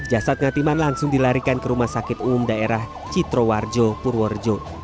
jasad ngatiman langsung dilarikan ke rumah sakit umum daerah citrowarjo purworejo